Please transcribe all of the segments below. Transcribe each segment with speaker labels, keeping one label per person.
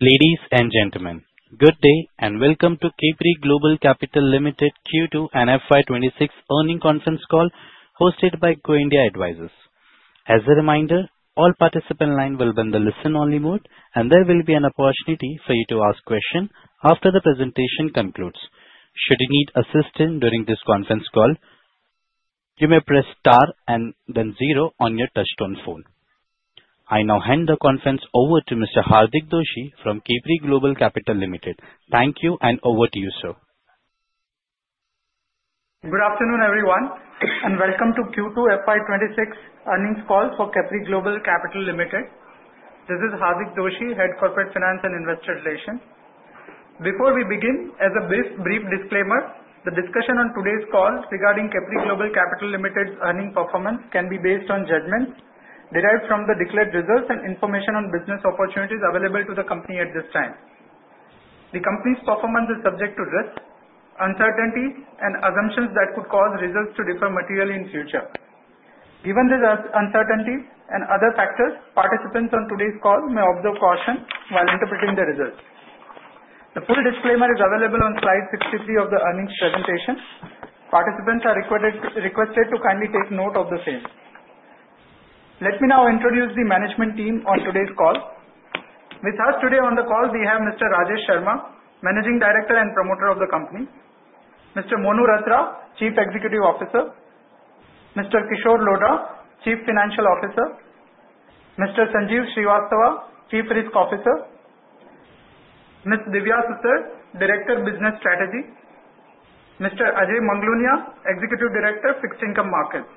Speaker 1: Ladies and gentlemen, good day and welcome to Capri Global Capital Limited Q2 and FY26 earning conference call hosted by Go India Advisors. As a reminder, all participants' lines will be in the listen-only mode, and there will be an opportunity for you to ask questions after the presentation concludes. Should you need assistance during this conference call, you may press star and then zero on your touch-tone phone. I now hand the conference over to Mr. Hardik Doshi from Capri Global Capital Limited. Thank you, and over to you, sir.
Speaker 2: Good afternoon, everyone, and welcome to Q2 FY26 earnings call for Capri Global Capital Limited. This is Hardik Doshi, Head Corporate Finance and Investor Relations. Before we begin, as a brief disclaimer, the discussion on today's call regarding Capri Global Capital Limited's earning performance can be based on judgments derived from the declared results and information on business opportunities available to the company at this time. The company's performance is subject to risk, uncertainties, and assumptions that could cause results to differ materially in the future. Given these uncertainties and other factors, participants on today's call may observe caution while interpreting the results. The full disclaimer is available on slide 63 of the earnings presentation. Participants are requested to kindly take note of the same. Let me now introduce the management team on today's call. With us today on the call, we have Mr. Rajesh Sharma, Managing Director and Promoter of the company, Mr. Monu Rathra, Chief Executive Officer, Mr. Kishore Lodha, Chief Financial Officer, Mr. Sanjeev Srivastava, Chief Risk Officer, Ms. Divya Sutar, Director of Business Strategy, Mr. Ajay Manglunia, Executive Director, Fixed Income Markets.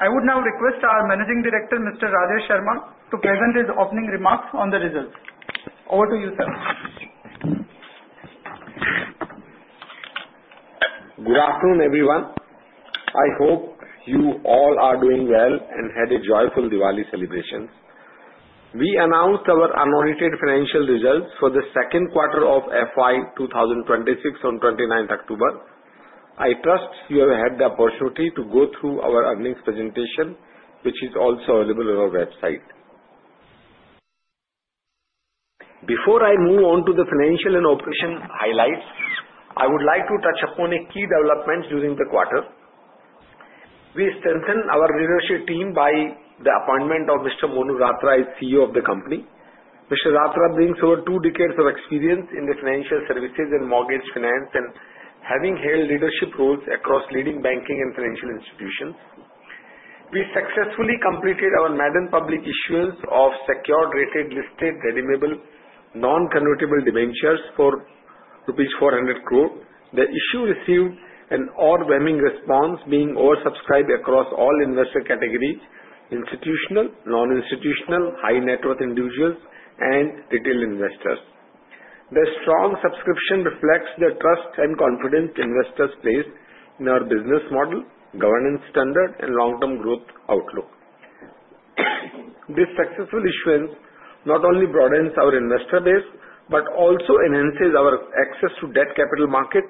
Speaker 2: I would now request our Managing Director, Mr. Rajesh Sharma, to present his opening remarks on the results. Over to you, sir.
Speaker 3: Good afternoon, everyone. I hope you all are doing well and had a joyful Diwali celebration. We announced our unaudited financial results for the second quarter of FY 2026 on 29 October. I trust you have had the opportunity to go through our earnings presentation, which is also available on our website. Before I move on to the financial and operational highlights, I would like to touch upon a key development during the quarter. We strengthened our leadership team by the appointment of Mr. Monu Rathra as CEO of the company. Mr. Rathra brings over two decades of experience in the financial services and mortgage finance, and having held leadership roles across leading banking and financial institutions. We successfully completed our maiden public issuance of secured rated listed redeemable non-convertible debentures for rupees 400 crore. The issue received an overwhelming response, being oversubscribed across all investor categories: institutional, non-institutional, high-net-worth individuals, and retail investors. The strong subscription reflects the trust and confidence investors place in our business model, governance standard, and long-term growth outlook. This successful issuance not only broadens our investor base but also enhances our access to debt capital market,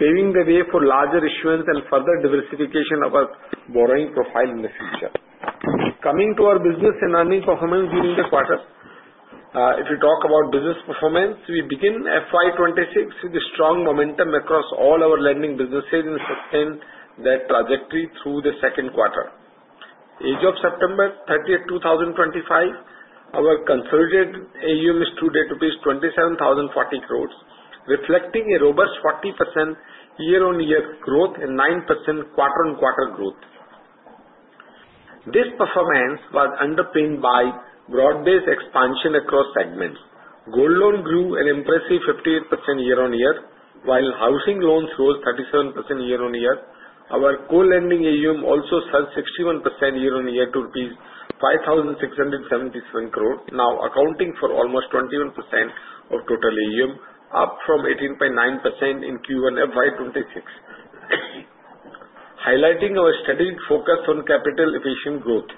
Speaker 3: paving the way for larger issuance and further diversification of our borrowing profile in the future. Coming to our business and earning performance during the quarter, if we talk about business performance, we begin FY26 with a strong momentum across all our lending businesses and sustain that trajectory through the second quarter. As of September 30, 2025, our consolidated AUM is today 27,040 crore, reflecting a robust 40% year-on-year growth and 9% quarter-on-quarter growth. This performance was underpinned by broad-based expansion across segments. Gold loan grew an impressive 58% year-on-year, while housing loans rose 37% year-on-year. Our co-lending AUM also surged 61% year-on-year to rupees 5,677 crore, now accounting for almost 21% of total AUM, up from 18.9% in Q1 FY26, highlighting our steady focus on capital efficient growth.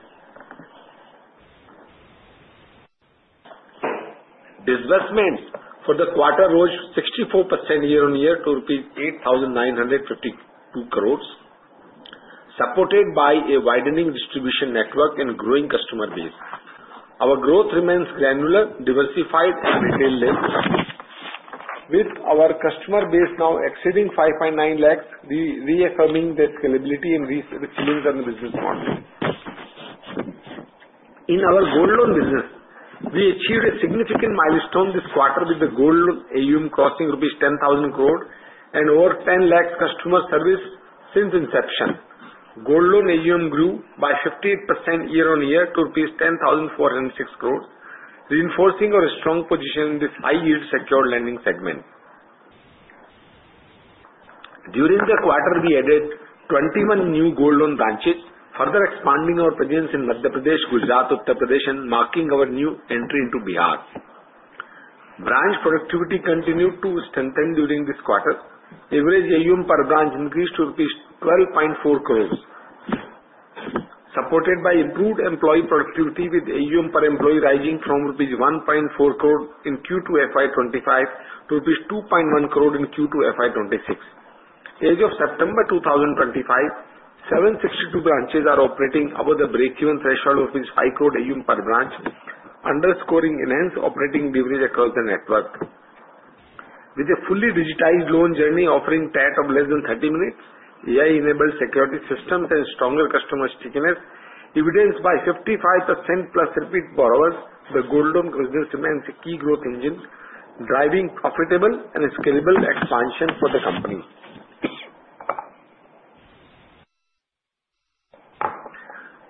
Speaker 3: Disbursements for the quarter rose 64% year-on-year to 8,952 crore rupees, supported by a widening distribution network and growing customer base. Our growth remains granular, diversified, and retail-led, with our customer base now exceeding 590,000, reaffirming the scalability and resilience of the business model. In our gold loan business, we achieved a significant milestone this quarter with the gold loan AUM crossing rupees 10,000 crore and over 1,000,000 customer service since inception. Gold loan AUM grew by 58% year-on-year to rupees 10,406 crore, reinforcing our strong position in this high-yield secured lending segment. During the quarter, we added 21 new gold loan branches, further expanding our presence in Madhya Pradesh, Gujarat, Uttar Pradesh, and marking our new entry into Bihar. Branch productivity continued to strengthen during this quarter. Average AUM per branch increased to rupees 12.4 crore, supported by improved employee productivity, with AUM per employee rising from rupees 1.4 crore in Q2 FY25 to rupees 2.1 crore in Q2 FY26. As of September 2025, 762 branches are operating above the break-even threshold of 5 crore AUM per branch, underscoring enhanced operating leverage across the network. With a fully digitized loan journey offering TAT of less than 30 minutes, AI-enabled security systems, and stronger customer stickiness, evidenced by 55% plus repeat borrowers, the gold loan business remains a key growth engine, driving profitable and scalable expansion for the company.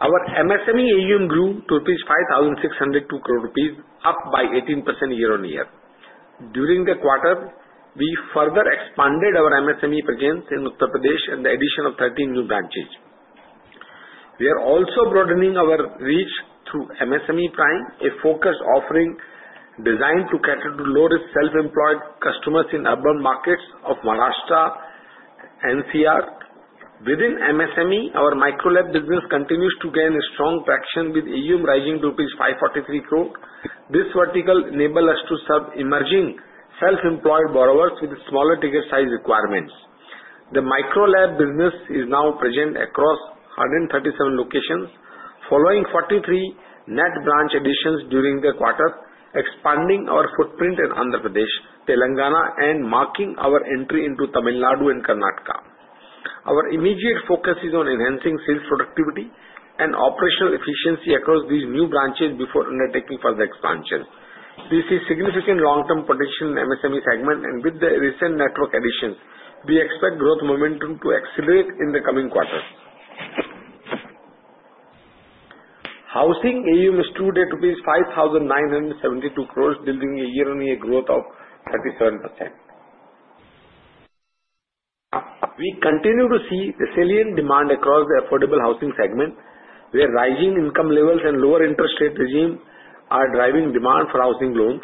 Speaker 3: Our MSME AUM grew to 5,602 crore rupees, up by 18% year-on-year. During the quarter, we further expanded our MSME presence in Uttar Pradesh and the addition of 13 new branches. We are also broadening our reach through MSME Prime, a focused offering designed to cater to low-risk self-employed customers in urban markets of Maharashtra and NCR. Within MSME, our micro-lab business continues to gain strong traction, with AUM rising to rupees 543 crore. This vertical enables us to serve emerging self-employed borrowers with smaller ticket size requirements. The micro-lab business is now present across 137 locations, following 43 net branch additions during the quarter, expanding our footprint in Andhra Pradesh, Telangana, and marking our entry into Tamil Nadu and Karnataka. Our immediate focus is on enhancing sales productivity and operational efficiency across these new branches before undertaking further expansion. This is significant long-term protection in the MSME segment, and with the recent network additions, we expect growth momentum to accelerate in the coming quarter. Housing AUM is today rupees 5,972 crore, yielding a year-on-year growth of 37%. We continue to see resilient demand across the affordable housing segment, where rising income levels and lower interest rate regime are driving demand for housing loans.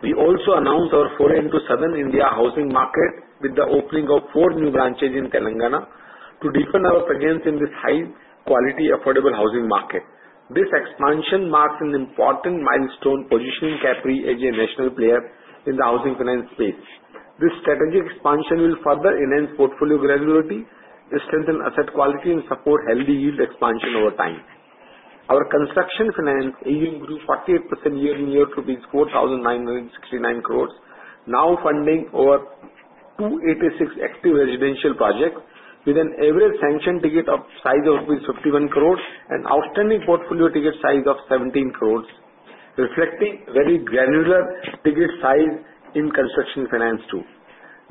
Speaker 3: We also announced our foray into Southern India housing market with the opening of four new branches in Telangana to deepen our presence in this high-quality affordable housing market. This expansion marks an important milestone, positioning Capri as a national player in the housing finance space. This strategic expansion will further enhance portfolio granularity, strengthen asset quality, and support healthy yield expansion over time. Our construction finance AUM grew 48% year-on-year to 4,969 crore, now funding over 286 active residential projects with an average sanction ticket size of rupees 51 crore and outstanding portfolio ticket size of 17 crore, reflecting very granular ticket size in construction finance too.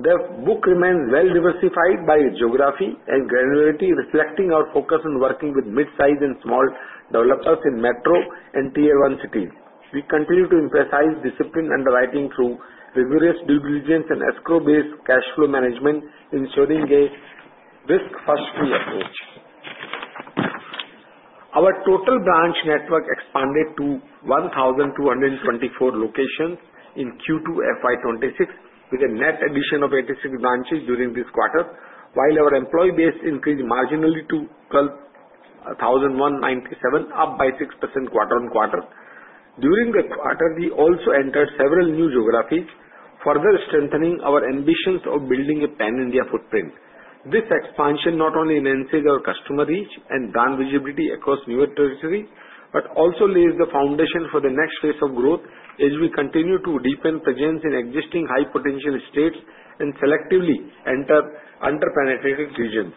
Speaker 3: The book remains well diversified by geography and granularity, reflecting our focus on working with mid-size and small developers in metro and tier-one cities. We continue to emphasize disciplined underwriting through rigorous due diligence and escrow-based cash flow management, ensuring a risk-first-free approach. Our total branch network expanded to 1,224 locations in Q2 FY26, with a net addition of 86 branches during this quarter, while our employee base increased marginally to 12,197, up by 6% quarter-on-quarter. During the quarter, we also entered several new geographies, further strengthening our ambitions of building a Pan-India footprint. This expansion not only enhances our customer reach and brand visibility across newer territories but also lays the foundation for the next phase of growth as we continue to deepen presence in existing high-potential states and selectively enter under-penetrated regions.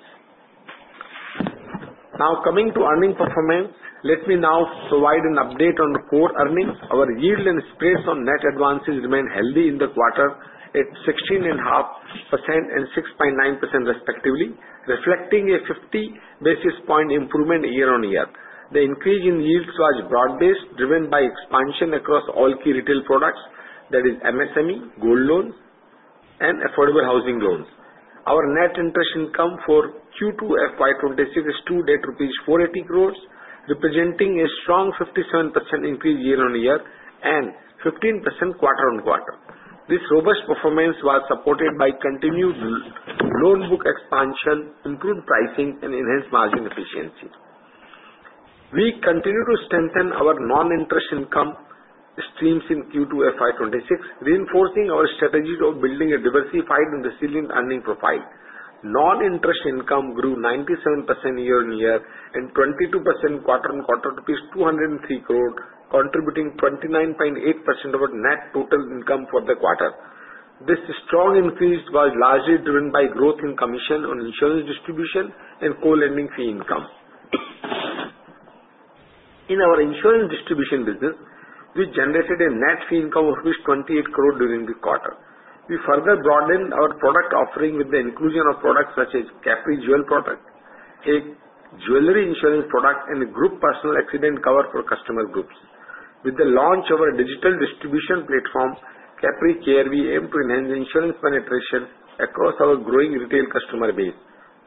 Speaker 3: Now coming to earning performance, let me now provide an update on core earnings. Our yield and spreads on net advances remain healthy in the quarter at 16.5% and 6.9% respectively, reflecting a 50 basis point improvement year-on-year. The increase in yields was broad-based, driven by expansion across all key retail products, that is, MSME, gold loans, and affordable housing loans. Our net interest income for Q2 FY26 is today rupees 480 crore, representing a strong 57% increase year-on-year and 15% quarter-on-quarter. This robust performance was supported by continued loan book expansion, improved pricing, and enhanced margin efficiency. We continue to strengthen our non-interest income streams in Q2 FY26, reinforcing our strategy of building a diversified and resilient earning profile. Non-interest income grew 97% year-on-year and 22% quarter-on-quarter to rupees 203 crore, contributing 29.8% of our net total income for the quarter. This strong increase was largely driven by growth in commission on insurance distribution and co-lending fee income. In our insurance distribution business, we generated a net fee income of rupees 28 crore during the quarter. We further broadened our product offering with the inclusion of products such as Capri Jewel, a jewelry insurance product, and a group personal accident cover for customer groups. With the launch of our digital distribution platform, Capri CRV aimed to enhance insurance penetration across our growing retail customer base.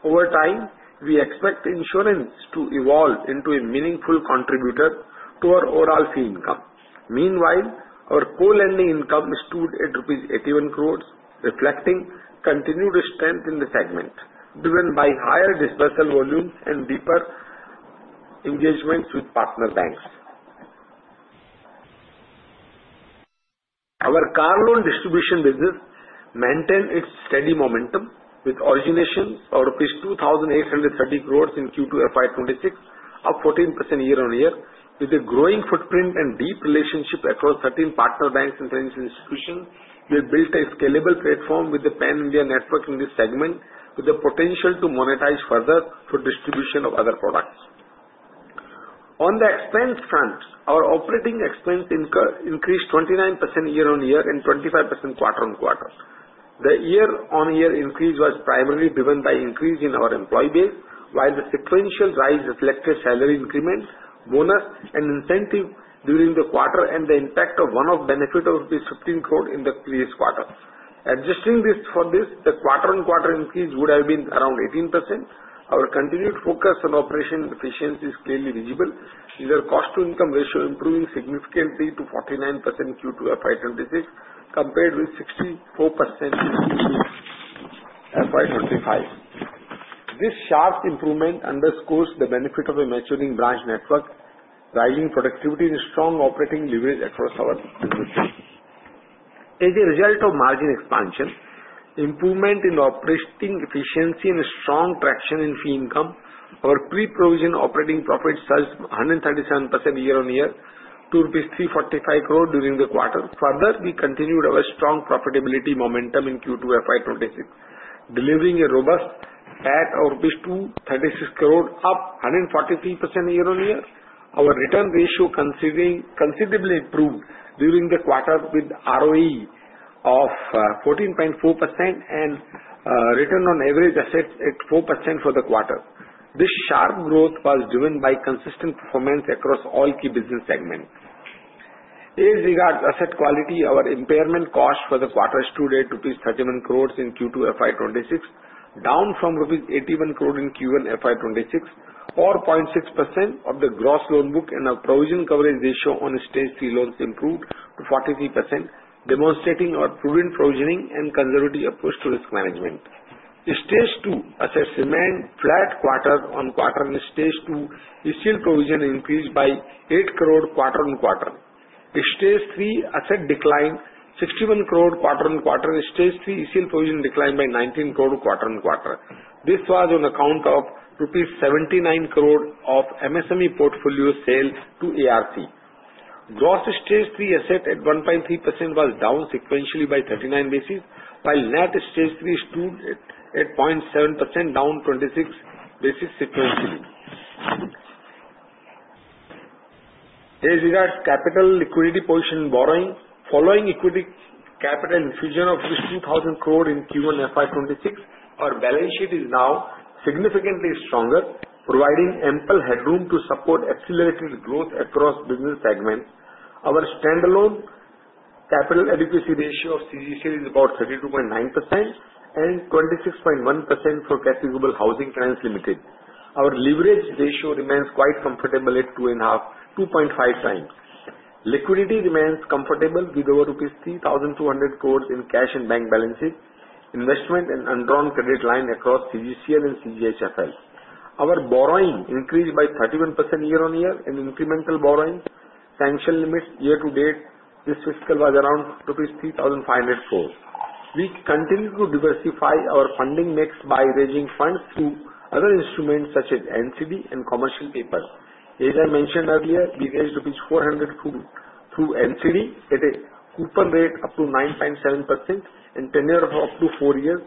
Speaker 3: Over time, we expect insurance to evolve into a meaningful contributor to our overall fee income. Meanwhile, our co-lending income is today 81 crore rupees, reflecting continued strength in the segment, driven by higher disbursal volumes and deeper engagements with partner banks. Our car loan distribution business maintained its steady momentum with origination of 2,830 crore in Q2 FY26, up 14% year-on-year. With a growing footprint and deep relationship across 13 partner banks and finance institutions, we have built a scalable platform with the Pan-India network in this segment, with the potential to monetize further for distribution of other products. On the expense front, our operating expense increased 29% year-on-year and 25% quarter-on-quarter. The year-on-year increase was primarily driven by increase in our employee base, while the sequential rise reflected salary increments, bonus, and incentive during the quarter and the impact of one-off benefit of 15 crore in the previous quarter. Adjusting for this, the quarter-on-quarter increase would have been around 18%. Our continued focus on operation efficiency is clearly visible. The cost-to-income ratio improving significantly to 49% in Q2 FY26, compared with 64% in Q2 FY25. This sharp improvement underscores the benefit of a maturing branch network, rising productivity, and strong operating leverage across our business. As a result of margin expansion, improvement in operating efficiency, and strong traction in fee income, our pre-provision operating profit surged 137% year-on-year to rupees 345 crore during the quarter. Further, we continued our strong profitability momentum in Q2 FY26, delivering a robust PAT of 236 crore, up 143% year-on-year. Our return ratio considerably improved during the quarter with ROE of 14.4% and return on average assets at 4% for the quarter. This sharp growth was driven by consistent performance across all key business segments. As regards to asset quality, our impairment cost for the quarter is today rupees 31 crore in Q2 FY26, down from rupees 81 crore in Q1 FY26. 4.6% of the gross loan book and our provision coverage ratio on stage three loans improved to 43%, demonstrating our proven provisioning and conservative approach to risk management. Stage two asset remained flat quarter-on-quarter and stage two issue provision increased by 8 crore quarter-on-quarter. Stage three asset declined 61 crore quarter-on-quarter and stage three issue provision declined by 19 crore quarter-on-quarter. This was on account of rupees 79 crore of MSME portfolio sale to ARC. Gross stage three asset at 1.3% was down sequentially by 39 basis points, while net stage three is today at 0.7%, down 26 basis points sequentially. As regards to capital liquidity position borrowing, following equity capital infusion of 2,000 crore in Q1 FY26, our balance sheet is now significantly stronger, providing ample headroom to support accelerated growth across business segments. Our standalone capital adequacy ratio of CGCL is about 32.9% and 26.1% for Capri Global Housing Finance Limited. Our leverage ratio remains quite comfortable at 2.5 times. Liquidity remains comfortable with over INR 3,200 crore in cash and bank balances investment and underwriting credit line across CGCL and CGHFL. Our borrowing increased by 31% year-on-year and incremental borrowing sanction limits year-to-date. This fiscal was around INR 3,500 crore. We continue to diversify our funding mix by raising funds through other instruments such as NCD and commercial papers. As I mentioned earlier, we raised rupees 400 crore through NCD at a coupon rate up to 9.7% and tenure of up to four years.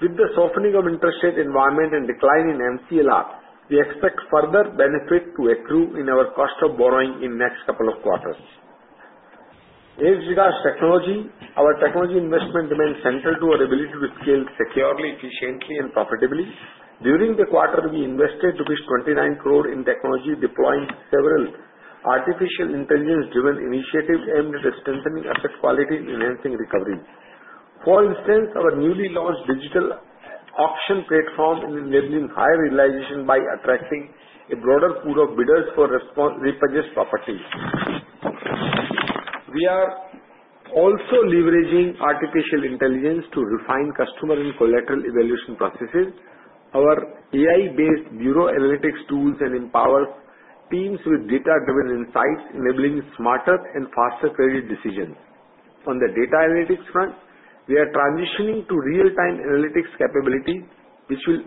Speaker 3: With the softening of interest rate environment and decline in MCLR, we expect further benefit to accrue in our cost of borrowing in the next couple of quarters. As regards to technology, our technology investment remains central to our ability to scale securely, efficiently, and profitably. During the quarter, we invested 29 crore in technology deploying several artificial intelligence-driven initiatives aimed at strengthening asset quality and enhancing recovery. For instance, our newly launched digital auction platform is enabling higher realization by attracting a broader pool of bidders for repurchase property. We are also leveraging artificial intelligence to refine customer and collateral evaluation processes. Our AI-based bureau analytics tools empower teams with data-driven insights, enabling smarter and faster credit decisions. On the data analytics front, we are transitioning to real-time analytics capability, which will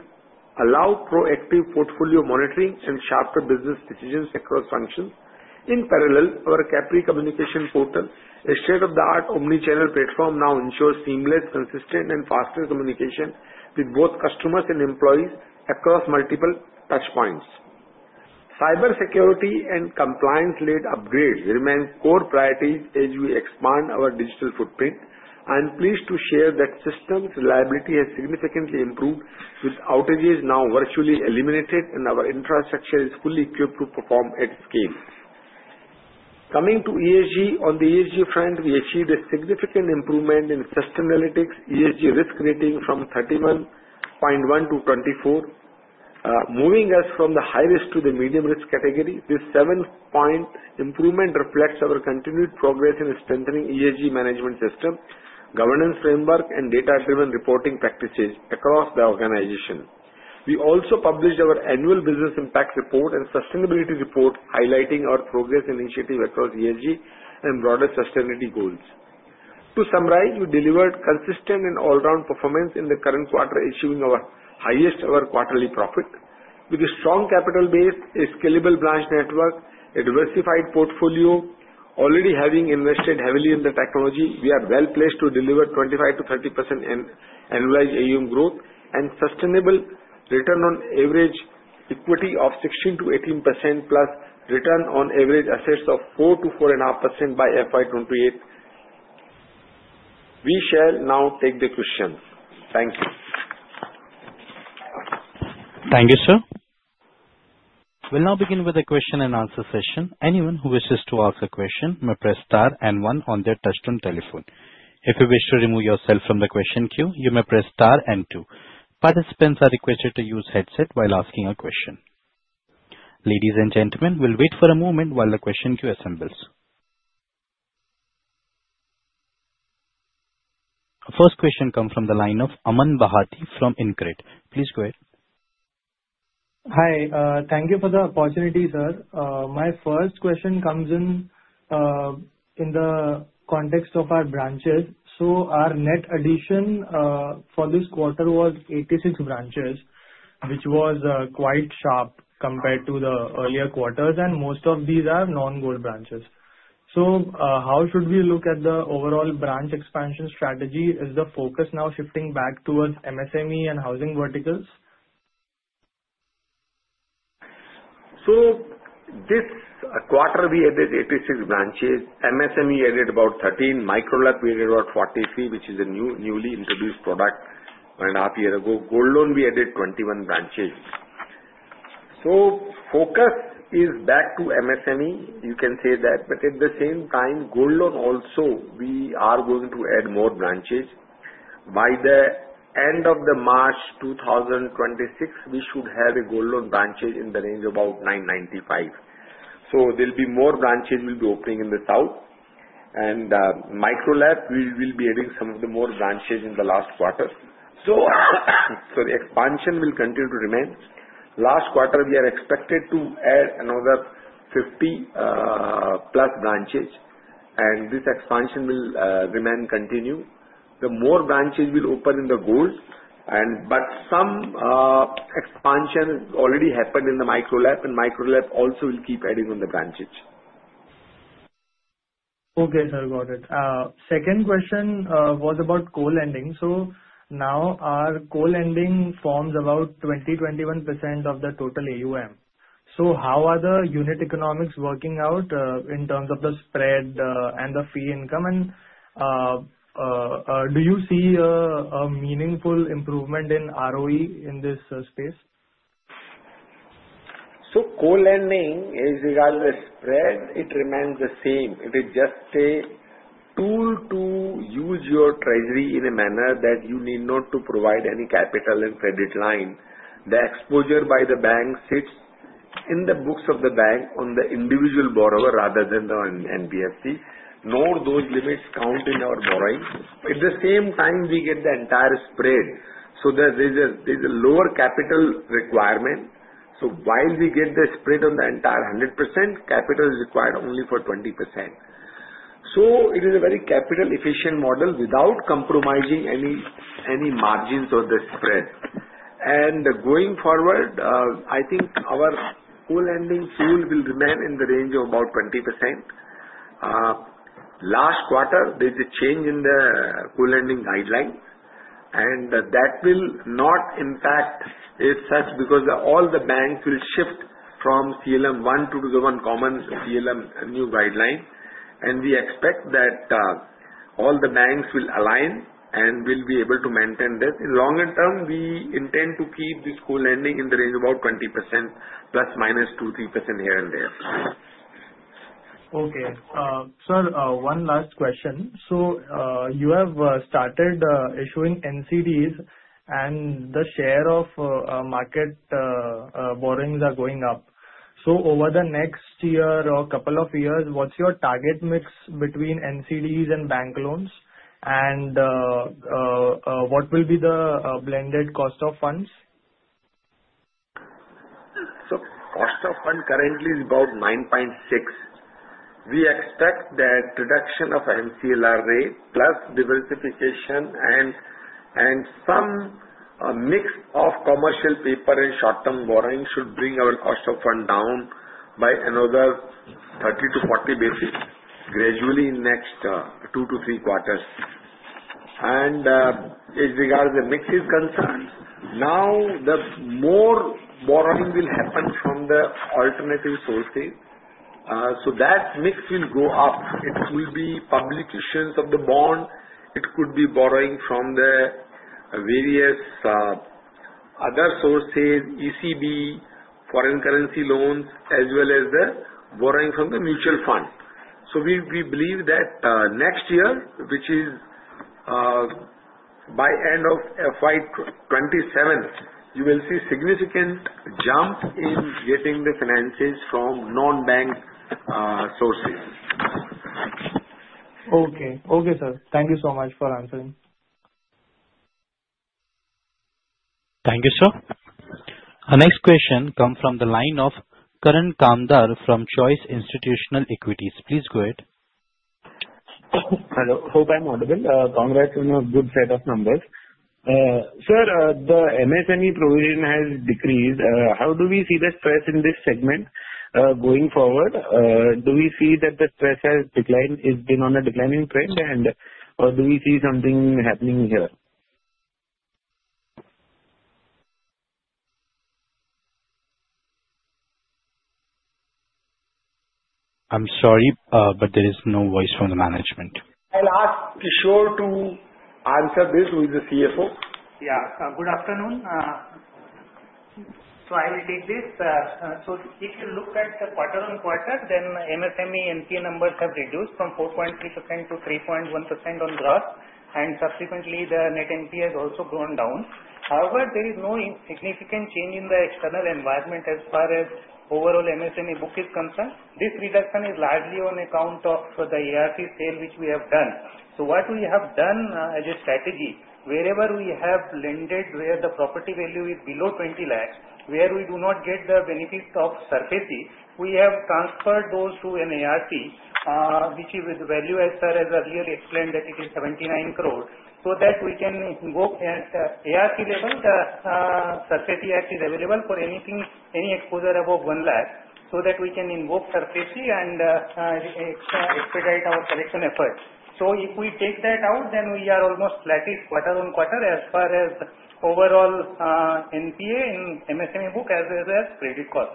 Speaker 3: allow proactive portfolio monitoring and sharper business decisions across functions. In parallel, our Capri communication portal, a state-of-the-art omnichannel platform, now ensures seamless, consistent, and faster communication with both customers and employees across multiple touchpoints. Cybersecurity and compliance-led upgrades remain core priorities as we expand our digital footprint. I am pleased to share that systems reliability has significantly improved, with outages now virtually eliminated, and our infrastructure is fully equipped to perform at scale. Coming to ESG, on the ESG front, we achieved a significant improvement in Sustainalytics ESG risk rating from 31.1 to 24, moving us from the high risk to the medium risk category. This 7-point improvement reflects our continued progress in strengthening ESG management system, governance framework, and data-driven reporting practices across the organization. We also published our annual business impact report and sustainability report, highlighting our progress initiative across ESG and broader sustainability goals. To summarize, we delivered consistent and all-round performance in the current quarter, achieving our highest ever quarterly profit. With a strong capital base, a scalable branch network, and a diversified portfolio, already having invested heavily in the technology, we are well placed to deliver 25%-30% annualized AUM growth and sustainable return on average equity of 16%-18% plus return on average assets of 4%-4.5% by FY2028. We shall now take the questions. Thank you. Thank you, sir. We'll now begin with a question-and-answer session. Anyone who wishes to ask a question may press star and one on their touch-tone telephone. If you wish to remove yourself from the question queue, you may press star and two. Participants are requested to use headset while asking a question. Ladies and gentlemen, we'll wait for a moment while the question queue assembles. Our first question comes from the line of Aman Bhatti from Increte. Please go ahead. Hi, thank you for the opportunity, sir. My first question comes in the context of our branches. Our net addition for this quarter was 86 branches, which was quite sharp compared to the earlier quarters, and most of these are non-gold branches. How should we look at the overall branch expansion strategy as the focus now shifting back towards MSME and housing verticals? This quarter, we added 86 branches. MSME added about 13. Micro-lab, we added about 43, which is a newly introduced product one and a half years ago. Gold loan, we added 21 branches. Focus is back to MSME, you can say that. At the same time, gold loan also, we are going to add more branches. By the end of March 2026, we should have a gold loan branch in the range of about 995. There will be more branches we will be opening in the south. Microlab, we will be adding some more branches in the last quarter. Expansion will continue to remain. Last quarter, we are expected to add another 50-plus branches, and this expansion will remain continue. The more branches we will open in the gold, but some expansion already happened in the Microlab, and Microlab also will keep adding on the branches. Okay, sir, got it. Second question was about co-lending. Now our co-lending forms about 20%-21% of the total AUM. How are the unit economics working out in terms of the spread and the fee income? Do you see a meaningful improvement in ROE in this space? Co-lending, as regards the spread, it remains the same. It is just a tool to use your treasury in a manner that you need not to provide any capital and credit line. The exposure by the bank sits in the books of the bank on the individual borrower rather than the NBFC. Nor do those limits count in our borrowing. At the same time, we get the entire spread. There is a lower capital requirement. While we get the spread on the entire 100%, capital is required only for 20%. It is a very capital-efficient model without compromising any margins or the spread. Going forward, I think our co-lending tool will remain in the range of about 20%. Last quarter, there's a change in the co-lending guidelines, and that will not impact it such because all the banks will shift from CLM 1 to the one common CLM new guideline. We expect that all the banks will align and will be able to maintain this. In longer term, we intend to keep this co-lending in the range of about 20%, plus minus 2-3% here and there. Okay, sir, one last question. You have started issuing NCDs, and the share of market borrowings are going up. Over the next year or a couple of years, what's your target mix between NCDs and bank loans, and what will be the blended cost of funds? Cost of fund currently is about INR 9.6%. We expect that reduction of MCLR rate plus diversification and some mix of commercial paper and short-term borrowing should bring our cost of fund down by another 30-40 basis points gradually in the next two to three quarters. As regards to the mix is concerned, now the more borrowing will happen from the alternative sources. That mix will go up. It will be publications of the bond. It could be borrowing from the various other sources, ECB, foreign currency loans, as well as the borrowing from the mutual fund. We believe that next year, which is by end of 2027, you will see a significant jump in getting the finances from non-bank sources. Okay, okay, sir. Thank you so much for answering. Thank you, sir. Our next question comes from the line of Karan Kamdar from Choice Institutional Equities. Please go ahead. Hello, hope I'm audible. Congrats on a good set of numbers. Sir, the MSME provision has decreased. How do we see the stress in this segment going forward? Do we see that the stress has declined? It's been on a declining trend, or do we see something happening here? I'm sorry, but there is no voice from the management. I'll ask Kishore to answer this with the CFO. Yeah, good afternoon. So I will take this. If you look at the quarter-on-quarter, then MSME NPA numbers have reduced from 4.3% to 3.1% on gross, and subsequently, the net NPA has also gone down. However, there is no significant change in the external environment as far as overall MSME book is concerned. This reduction is largely on account of the ART sale, which we have done. What we have done as a strategy, wherever we have lended, where the property value is below 2,000,000, where we do not get the benefit of SARFAESI, we have transferred those to an ARC, which is with the value, as sir has earlier explained, that it is 79,000,000. That way we can invoke ARC level, the SARFAESI Act is available for anything, any exposure above 100,000, so that we can invoke SARFAESI and expedite our collection effort. If we take that out, then we are almost flattened quarter-on-quarter as far as overall NPA in MSME book as well as credit cost.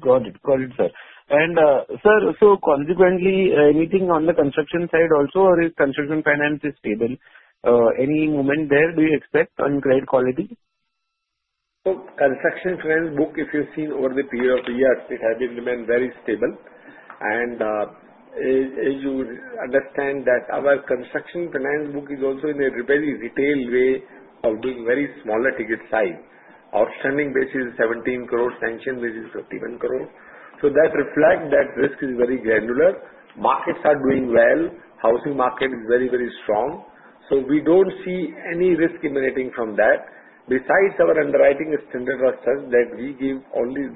Speaker 3: Got it, got it, sir. Sir, consequently, anything on the construction side also, or is construction finance stable? Any movement there do you expect on credit quality? Construction finance book, if you've seen over the period of the years, it has remained very stable. As you understand, our construction finance book is also in a very retail way of being very smaller ticket size. Outstanding basis is 17 crore, sanctioned basis is 51 crore. That reflects that risk is very granular. Markets are doing well. Housing market is very, very strong. We do not see any risk emanating from that. Besides, our underwriting standard is such that we do only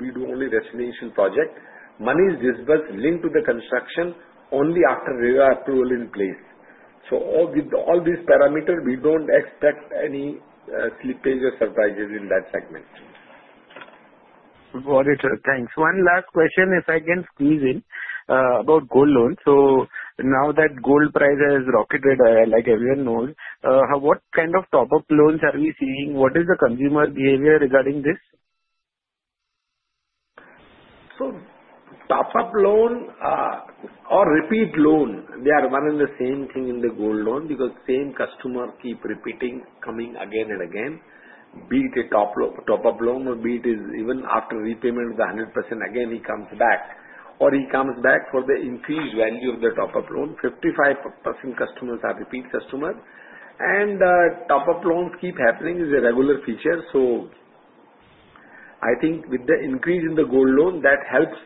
Speaker 3: residential projects, money is disbursed linked to the construction only after RERA approval is in place. With all these parameters, we do not expect any slippage or surprises in that segment. Got it, sir. Thanks. One last question, if I can squeeze in, about gold loans. Now that gold price has rocketed, like everyone knows, what kind of top-up loans are we seeing? What is the consumer behavior regarding this? Top-up loan or repeat loan, they are one and the same thing in the gold loan because the same customer keeps repeating, coming again and again. Be it a top-up loan or be it even after repayment of the 100%, again, he comes back. Or he comes back for the increased value of the top-up loan. 55% customers are repeat customers. Top-up loans keep happening, it is a regular feature. I think with the increase in the gold loan, that helps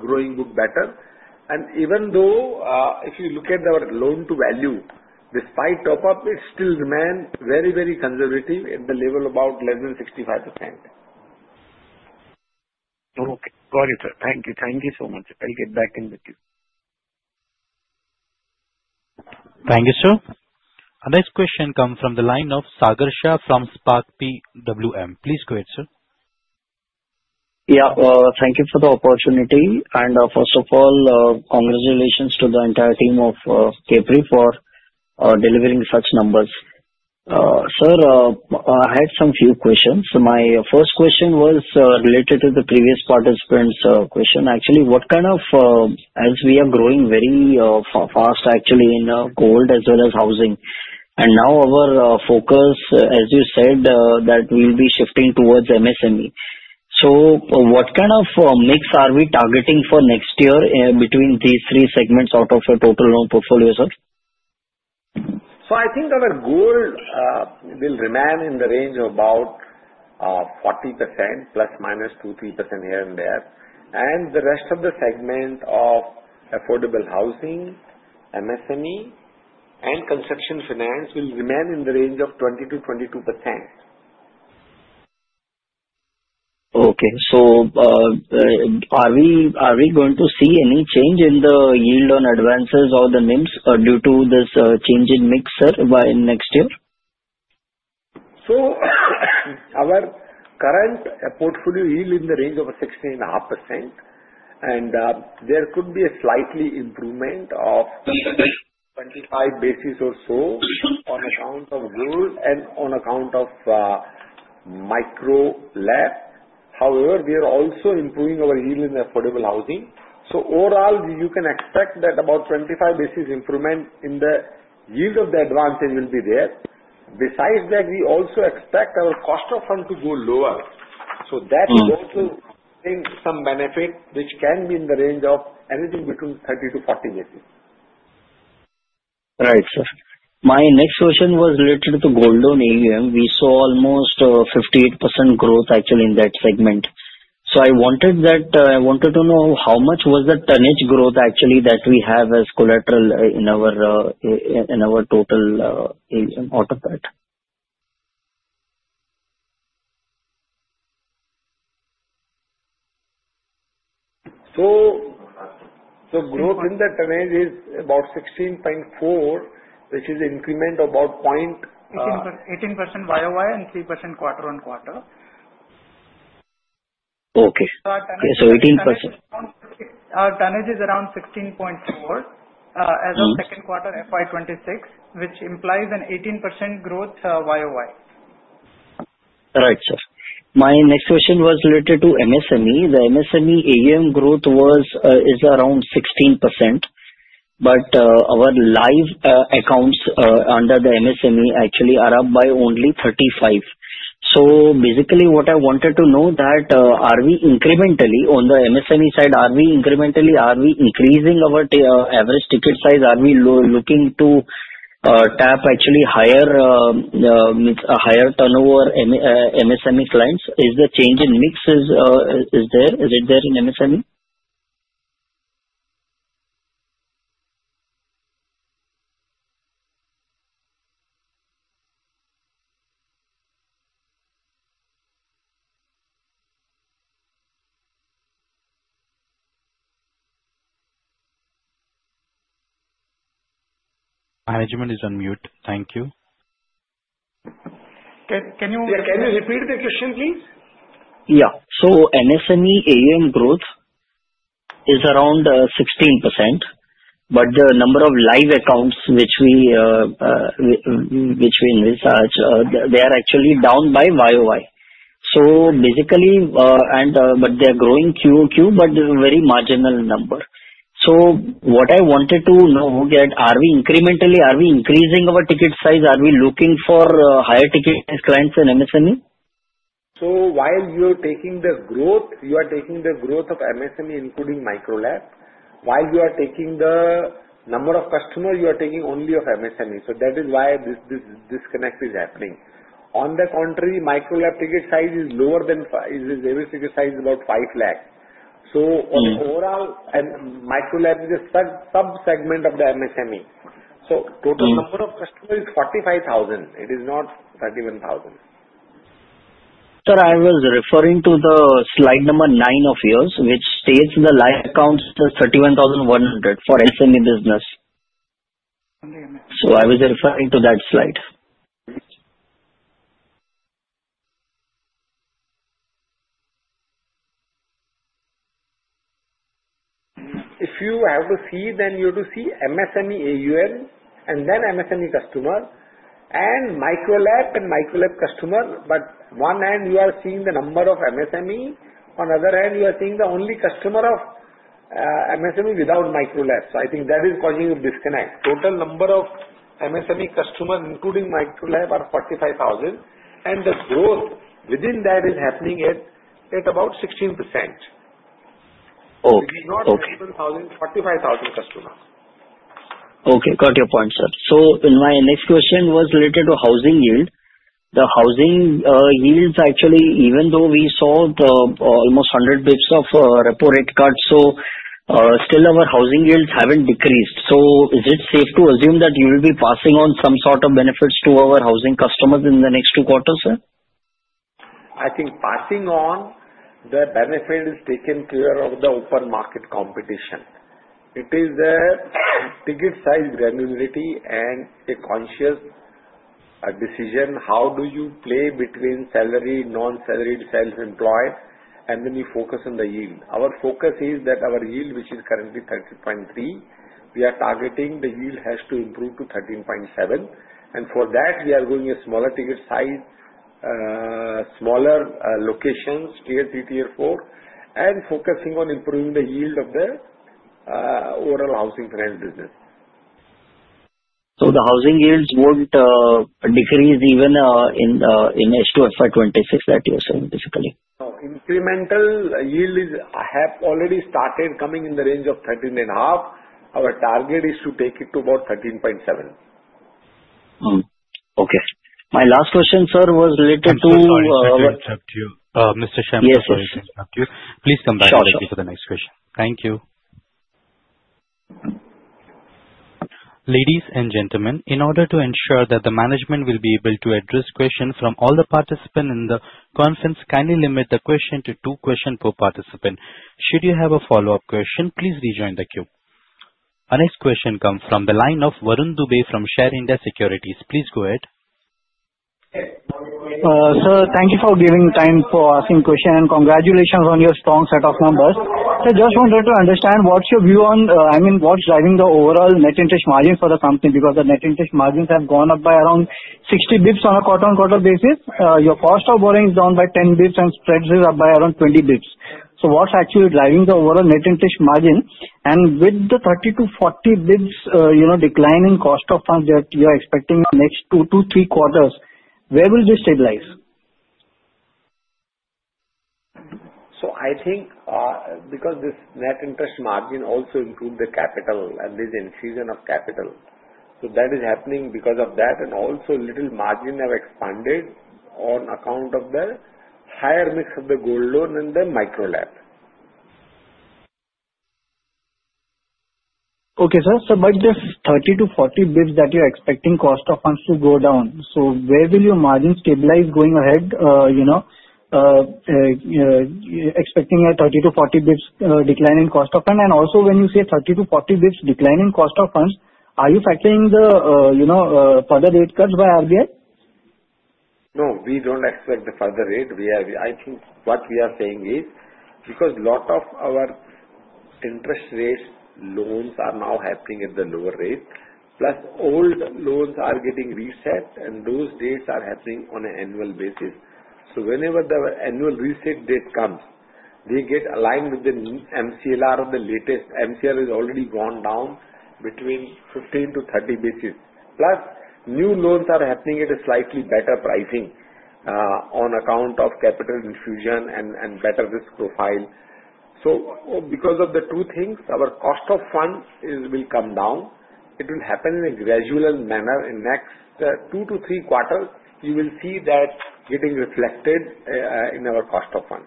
Speaker 3: growing book better. Even though if you look at our loan-to-value, despite top-up, it still remains very, very conservative at the level of about less than 65%. Okay, got it, sir. Thank you. Thank you so much. I'll get back in with you. Thank you, sir. Our next question comes from the line of Sagar Shah from Spark PWM. Please go ahead, sir. Yeah, thank you for the opportunity. First of all, congratulations to the entire team of Capri for delivering such numbers. Sir, I had a few questions. My first question was related to the previous participant's question. Actually, what kind of, as we are growing very fast, actually in gold as well as housing. Now our focus, as you said, that we'll be shifting towards MSME. What kind of mix are we targeting for next year between these three segments out of your total loan portfolio, sir? I think our gold will remain in the range of about 40%, plus minus 2%-3% here and there. The rest of the segment of affordable housing, MSME, and construction finance will remain in the range of 20%-22%. Okay. Are we going to see any change in the yield on advances or the NIMs due to this change in mix, sir, by next year? Our current portfolio yield is in the range of 16.9%. There could be a slight improvement of 25 basis points or so on account of gold and on account of Micro-lab. However, we are also improving our yield in affordable housing. Overall, you can expect that about 25 basis points improvement in the yield of the advances will be there. Besides that, we also expect our cost of fund to go lower. That is also bringing some benefit, which can be in the range of anything between 30-40 basis points. Right, sir. My next question was related to the gold loan AUM. We saw almost 58% growth actually in that segment. I wanted to know how much was the tonnage growth actually that we have as collateral in our total AUM out of that? The growth in the tonnage is about 16.4, which is an increment of about 0.18% year-over-year and 3% quarter-on-quarter. Okay. Our tonnage is around 16.4 as of second quarter FY26, which implies an 18% growth year-over-year. Right, sir. My next question was related to MSME. The MSME AUM growth is around 16%. But our live accounts under the MSME actually are up by only 35%. Basically, what I wanted to know is, are we incrementally on the MSME side, are we incrementally increasing our average ticket size? Are we looking to tap actually higher turnover MSME clients? Is the change in mix there? Is it there in MSME? Management is on mute. Thank you. Can you repeat the question, please? Yeah. MSME AUM growth is around 16%. The number of live accounts which we envisage, they are actually down year over year. They are growing quarter over quarter, but a very marginal number. What I wanted to know is, are we incrementally increasing our ticket size? Are we looking for higher ticket clients than MSME? While you are taking the growth, you are taking the growth of MSME, including Micro-lab. While you are taking the number of customers, you are taking only MSME. That is why this disconnect is happening. On the contrary, Micro-lab ticket size is lower. The average ticket size is about 500,000. Overall, Micro-lab is a sub-segment of the MSME. The total number of customers is 45,000. It is not 31,000. Sir, I was referring to the slide number nine of yours, which states the live accounts are 31,100 for MSME business. I was referring to that slide. If you have to see, then you have to see MSME AUM and then MSME customer and Microlab and Microlab customer. On one hand, you are seeing the number of MSME. On the other hand, you are seeing the only customer of MSME without Microlab. I think that is causing a disconnect. Total number of MSME customers, including Microlab, are 45,000. The growth within that is happening at about 16%. It is not 31,000, 45,000 customers. Okay. Got your point, sir. My next question was related to housing yield. The housing yields actually, even though we saw almost 100 basis points of repo rate cuts, still our housing yields have not decreased. Is it safe to assume that you will be passing on some sort of benefits to our housing customers in the next two quarters, sir? I think passing on the benefit is taken care of by the open market competition. It is a ticket size granularity and a conscious decision how you play between salaried, non-salaried self-employed, and then you focus on the yield. Our focus is that our yield, which is currently 13.3, we are targeting the yield has to improve to 13.7. For that, we are going a smaller ticket size, smaller locations, tier three, tier four, and focusing on improving the yield of the overall housing finance business. The housing yields will not decrease even in FY 2026, that you are saying basically? No. Incremental yields have already started coming in the range of 13.5. Our target is to take it to about 13.7. Okay. My last question, sir, was related to Mr. Shem, sorry, Shem, Shem. Please come back and wait for the next question. Thank you. Ladies and gentlemen, in order to ensure that the management will be able to address questions from all the participants in the conference, kindly limit the question to two questions per participant. Should you have a follow-up question, please rejoin the queue. Our next question comes from the line of Varun Dubey from Share India Securities. Please go ahead. Sir, thank you for giving time for asking questions and congratulations on your strong set of numbers. I just wanted to understand what's your view on, I mean, what's driving the overall net interest margin for the company because the net interest margins have gone up by around 60 basis points on a quarter-on-quarter basis. Your cost of borrowing is down by 10 basis points and spreads are up by around 20 basis points. What is actually driving the overall net interest margin? With the 30-40 basis points decline in cost of funds that you are expecting in the next two to three quarters, where will this stabilize? I think because this net interest margin also improved the capital and this infusion of capital. That is happening because of that and also little margin have expanded on account of the higher mix of the gold loan and the Micro-lab. Okay, sir. By this 30-40 basis points that you are expecting cost of funds to go down, where will your margin stabilize going ahead? Expecting a 30-40 basis points decline in cost of funds. Also, when you say 30-40 basis points decline in cost of funds, are you factoring the further rate cuts by RBI? No, we do not expect the further rate. I think what we are saying is because a lot of our interest rate loans are now happening at the lower rate. Plus, old loans are getting reset, and those dates are happening on an annual basis. Whenever the annual reset date comes, they get aligned with the MCLR of the latest. MCLR has already gone down between 15-30 basis points. Plus, new loans are happening at a slightly better pricing on account of capital infusion and better risk profile. Because of the two things, our cost of funds will come down. It will happen in a gradual manner in the next two to three quarters. You will see that getting reflected in our cost of funds.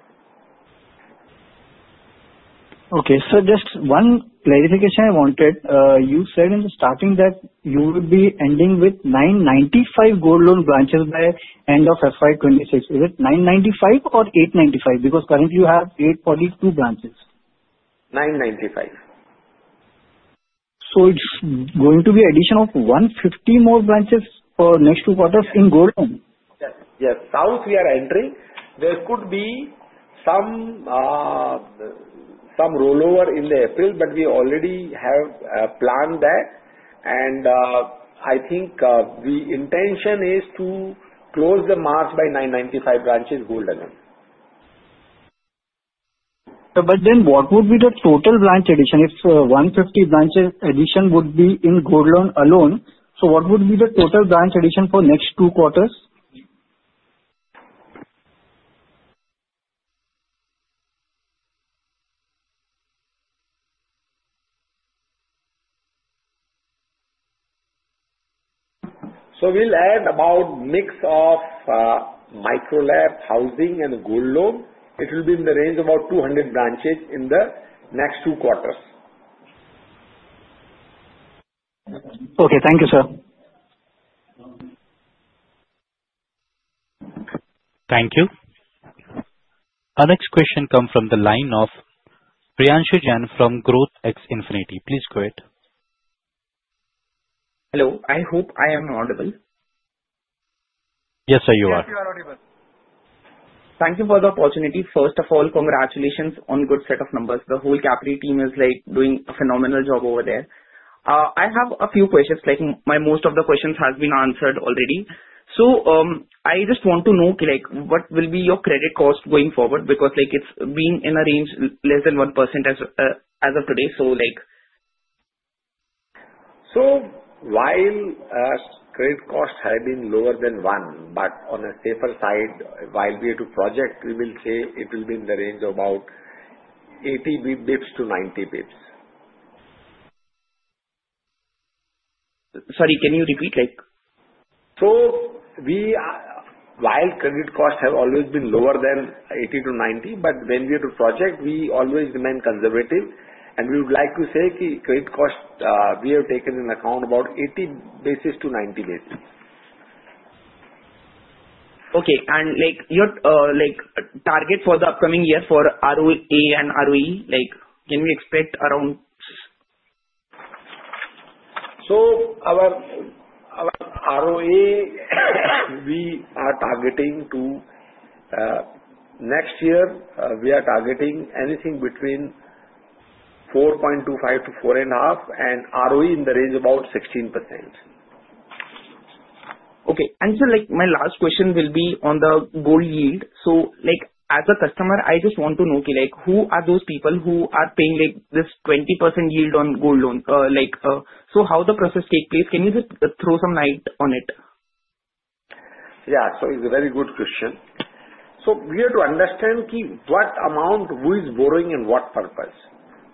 Speaker 3: Okay. Sir, just one clarification I wanted. You said in the starting that you will be ending with 995 gold loan branches by end of FY2026. Is it 995 or 895? Because currently you have 842 branches. 995. So it's going to be an addition of 150 more branches for next two quarters in gold loan? Yes. Yes. South we are entering. There could be some rollover in the April, but we already have planned that. I think the intention is to close the March by 995 branches gold loan. What would be the total branch addition if 150 branches addition would be in gold loan alone? What would be the total branch addition for next two quarters? We'll add about mix of Micro-lab, Housing, and Gold Loan. It will be in the range of about 200 branches in the next two quarters. Okay. Thank you, sir. Thank you. Our next question comes from the line of Priyanshu Jan from Growth X Infinity. Please go ahead. Hello. I hope I am audible. Yes, sir, you are. I hope you are audible. Thank you for the opportunity. First of all, congratulations on a good set of numbers. The whole Capri team is doing a phenomenal job over there. I have a few questions. Most of the questions have been answered already. I just want to know what will be your credit cost going forward because it has been in a range less than 1% as of today. While credit costs have been lower than 1%, but on a safer side, while we are to project, we will say it will be in the range of about 80 basis points to 90 basis points. Sorry, can you repeat? While credit costs have always been lower than 80 to 90, when we are to project, we always remain conservative. We would like to say credit costs we have taken into account about 80 basis points to 90 basis points. Okay. Your target for the upcoming year for ROA and ROE, can we expect around? Our ROA, we are targeting to next year, we are targeting anything between 4.25%-4.5% and ROE in the range of about 16%. Okay. Sir, my last question will be on the gold yield. As a customer, I just want to know who are those people who are paying this 20% yield on gold loan? How does the process take place? Can you just throw some light on it? Yeah. It is a very good question. We have to understand what amount, who is borrowing, and what purpose.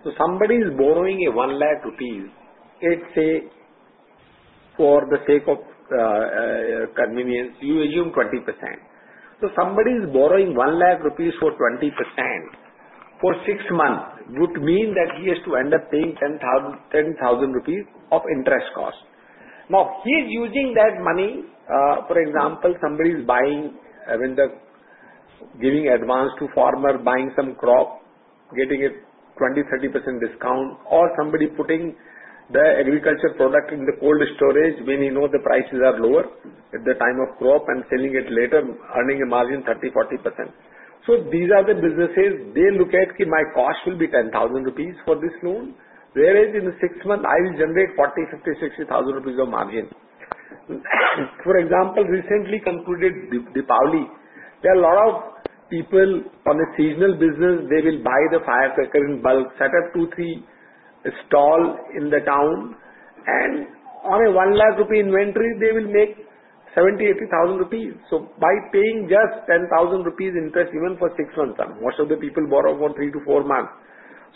Speaker 3: Somebody is borrowing 100,000 rupees, let's say for the sake of convenience, you assume 20%. Somebody is borrowing 100,000 rupees for 20% for six months would mean that he has to end up paying 10,000 rupees of interest cost. Now, he is using that money. For example, somebody is giving advance to farmer, buying some crop, getting a 20-30% discount, or somebody putting the agriculture product in the cold storage when he knows the prices are lower at the time of crop and selling it later, earning a margin of 30-40%. These are the businesses. They look at, "My cost will be 10,000 rupees for this loan, whereas in the six months, I will generate 40,000-50,000-60,000 rupees of margin." For example, recently concluded Deepavali, there are a lot of people on a seasonal business. They will buy the firecracker in bulk, set up two or three stalls in the town, and on a 100,000 rupee inventory, they will make 70,000-80,000 rupees. By paying just 10,000 rupees interest even for six months, most of the people borrow for three to four months.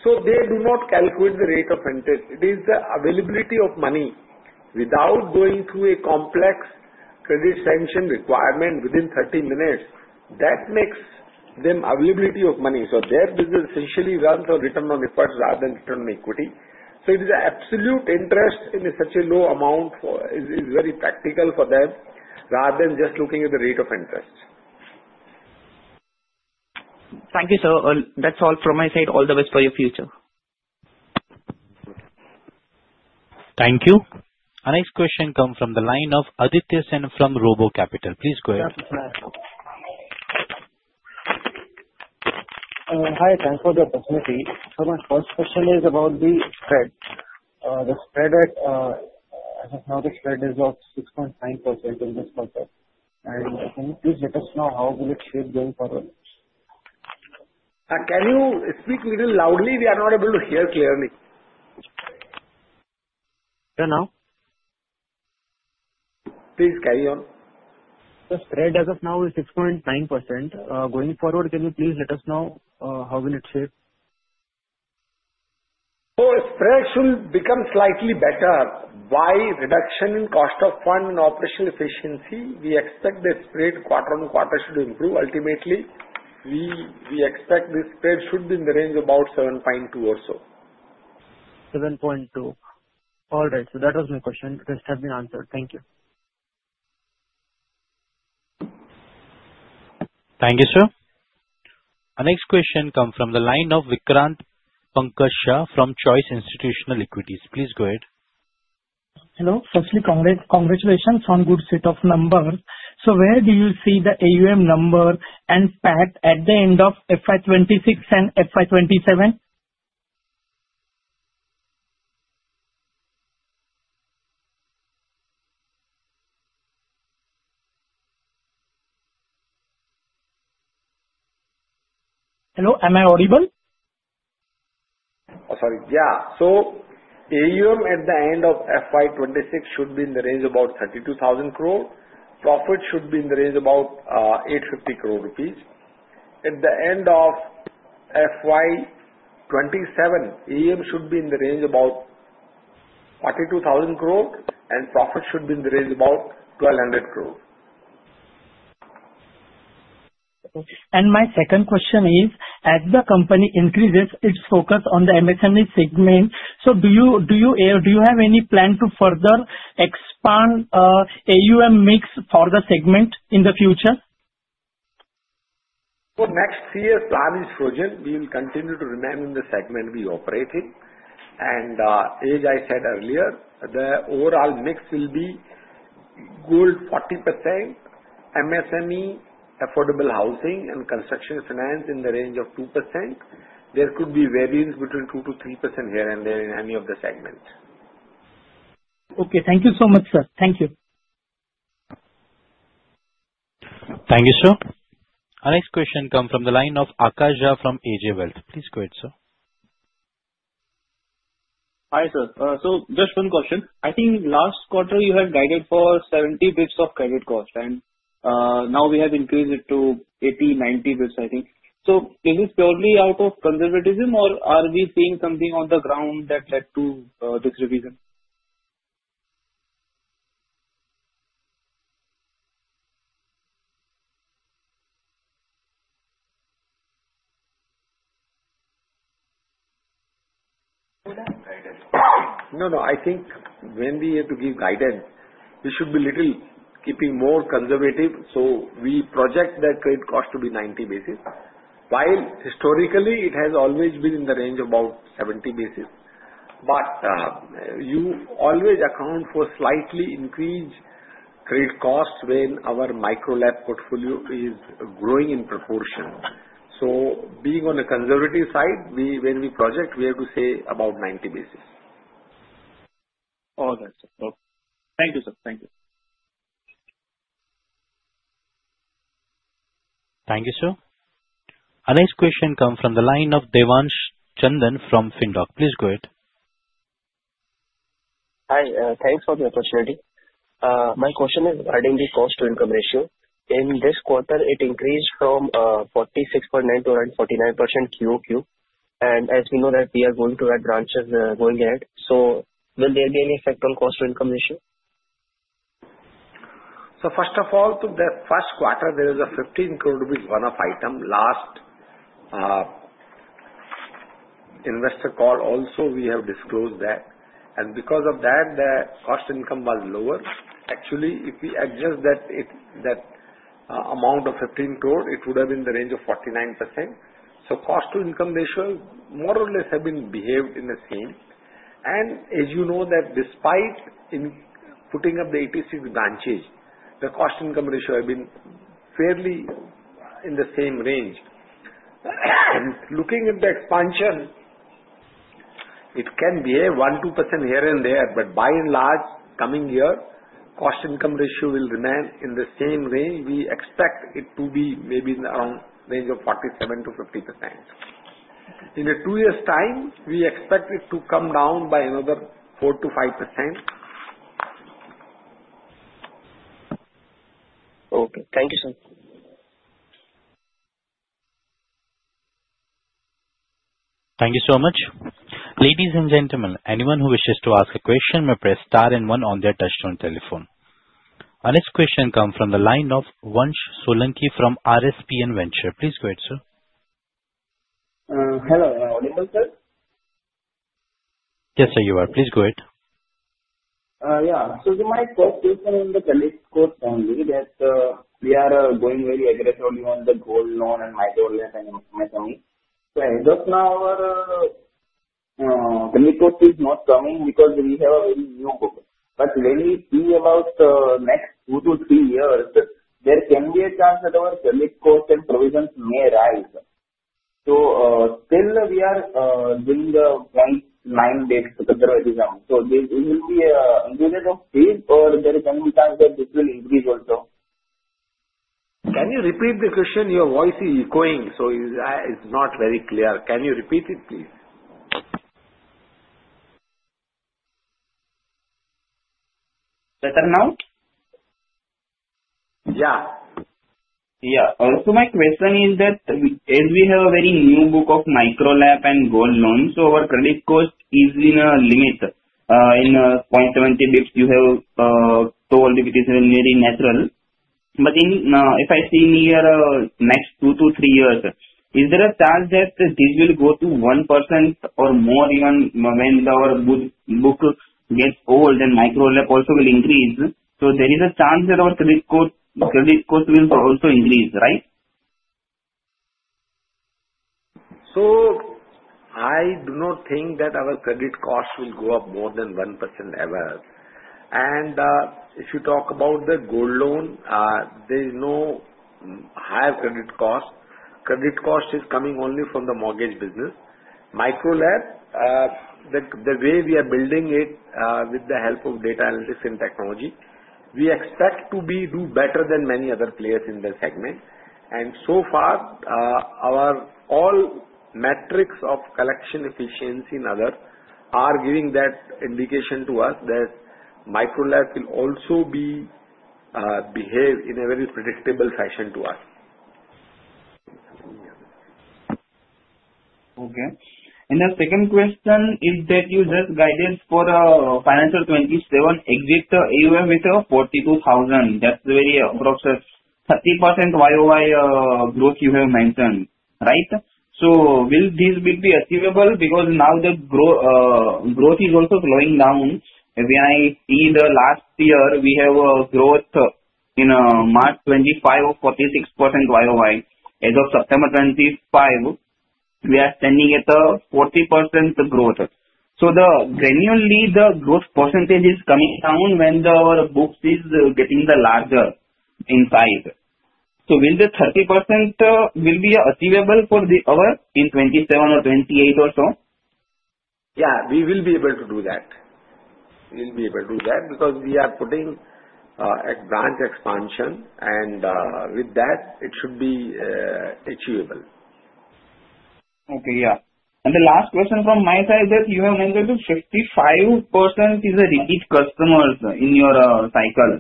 Speaker 3: They do not calculate the rate of interest. It is the availability of money. Without going through a complex credit sanction requirement within 30 minutes, that makes them availability of money. Their business essentially runs on return on effort rather than return on equity. It is absolute interest in such a low amount, is very practical for them rather than just looking at the rate of interest. Thank you, sir. That's all from my side. All the best for your future. Thank you. Our next question comes from the line of Aditya Sen from Robo Capital. Please go ahead. Hi. Thanks for the opportunity. My first question is about the spread. The spread, as of now, the spread is 6.9% in this quarter. Can you please let us know how will it shape going forward? Can you speak a little loudly? We are not able to hear clearly. Can now? Please carry on. The spread as of now is 6.9%. Going forward, can you please let us know how will it shape? The spread should become slightly better by reduction in cost of fund and operational efficiency. We expect the spread quarter on quarter should improve. Ultimately, we expect the spread should be in the range of about 7.2 or so. 7.2. All right. That was my question. This has been answered. Thank you. Thank you, sir. Our next question comes from the line of Vikrant Pankaj Shah from Choice Institutional Equities. Please go ahead. Hello. Firstly, congratulations on a good set of numbers. Where do you see the AUM number and PAT at the end of FY2026 and FY2027? Hello. Am I audible? Sorry. Yeah. AUM at the end of FY2026 should be in the range of about 32,000 crore. Profit should be in the range of about 850 crore rupees. At the end of FY2027, AUM should be in the range of about 42,000 crore, and profit should be in the range of about 1,200 crore. My second question is, as the company increases its focus on the MSME segment, do you have any plan to further expand AUM mix for the segment in the future? Next three years' plan is frozen. We will continue to remain in the segment we operate in. As I said earlier, the overall mix will be gold 40%, MSME, affordable housing, and construction finance in the range of 2%. There could be variance between 2-3% here and there in any of the segments. Thank you so much, sir. Thank you. Thank you, sir. Our next question comes from the line of Akash Jah from AJ Wealth. Please go ahead, sir. Hi, sir. Just one question. I think last quarter you had guided for 70 basis points of credit cost, and now we have increased it to 80-90 basis points, I think. Is this purely out of conservatism, or are we seeing something on the ground that led to this revision? No, no. I think when we have to give guidance, we should be a little keeping more conservative. We project that credit cost to be 90 basis points, while historically it has always been in the range of about 70 basis points. You always account for slightly increased credit cost when our Micro-lab portfolio is growing in proportion. Being on a conservative side, when we project, we have to say about 90 basis points. All right, sir. Thank you, sir. Thank you. Thank you, sir. Our next question comes from the line of Devansh Chandan from Findor. Please go ahead. Hi. Thanks for the opportunity. My question is regarding the cost-to-income ratio. In this quarter, it increased from 46.9% to around 49% quarter over quarter. As we know that we are going to add branches going ahead, will there be any effect on cost-to-income ratio? First of all, the first quarter, there was a 15 crore one-off item. Last investor call, also, we have disclosed that. Because of that, the cost-to-income was lower. Actually, if we adjust that amount of 15 crore, it would have been in the range of 49%. Cost-to-income ratio more or less has behaved in the same. As you know, that despite putting up the 86 branches, the cost-to-income ratio has been fairly in the same range. Looking at the expansion, it can behave 1%-2% here and there. By and large, coming year, cost-to-income ratio will remain in the same range. We expect it to be maybe in the range of 47%-50%. In a two-year's time, we expect it to come down by another 4-5%. Okay. Thank you, sir. Thank you so much. Ladies and gentlemen, anyone who wishes to ask a question may press star and one on their touchstone telephone. Our next question comes from the line of Vansh Solanki from RSPN Venture. Please go ahead, sir. Hello. Are you audible, sir? Yes, sir, you are. Please go ahead. Yeah. So my first question on the credit score is only that we are going very aggressively on the gold loan and micro-lab and MSME. So as of now, our credit score is not coming because we have a very new. But when we see about the next two to three years, there can be a chance that our credit score and provisions may rise. So still, we are doing the 0.9 basis conservatism. There will be an increase of this, or there can be a chance that this will increase also. Can you repeat the question? Your voice is echoing, so it is not very clear. Can you repeat it, please? Better now? Yeah. Yeah. My question is that as we have a very new book of Micro-lab and gold loans, our credit score is in a limit. In 0.70 basis points, you have told me this is very natural. If I see in the next two to three years, is there a chance that this will go to 1% or more even when our book gets old and Micro-lab also will increase? There is a chance that our credit score will also increase, right? I do not think that our credit cost will go up more than 1% ever. If you talk about the gold loan, there is no higher credit cost. Credit cost is coming only from the mortgage business. Microlab, the way we are building it with the help of data analytics and technology, we expect to do better than many other players in the segment. So far, all metrics of collection efficiency and other are giving that indication to us that Microlab will also behave in a very predictable fashion to us. Okay. The second question is that you just guided for financial 2027, exit AUM with 42,000. That is very approximate. 30% YOY growth you have mentioned, right? Will this be achievable? Because now the growth is also slowing down. When I see the last year, we have a growth in March 2025 of 46% YOY. As of September 2025, we are standing at 40% growth. Gradually, the growth percentage is coming down when our book is getting larger in size. Will the 30% be achievable for us in 2027 or 2028 or so? Yeah. We will be able to do that. We will be able to do that because we are putting a branch expansion, and with that, it should be achievable. Okay. The last question from my side is that you have mentioned 55% is repeat customers in your cycle.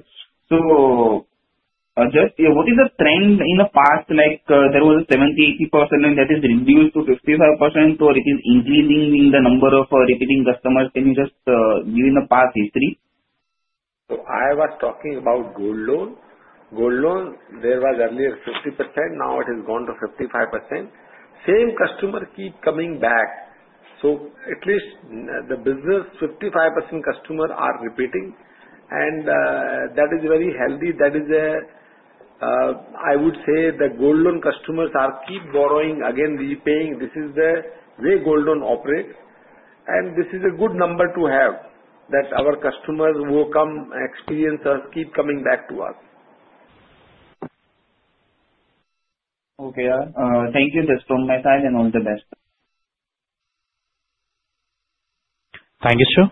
Speaker 3: What is the trend in the past? Was there a 70-80% and that is reduced to 55%, or is it increasing in the number of repeating customers? Can you just give the past history? I was talking about gold loan. Gold loan, there was earlier 50%. Now it has gone to 55%. Same customer keep coming back. At least the business 55% customer are repeating, and that is very healthy. That is, I would say, the gold loan customers are keep borrowing, again repaying. This is the way gold loan operates. This is a good number to have that our customers who come experience us keep coming back to us. Okay. Thank you. That's from my side and all the best. Thank you, sir.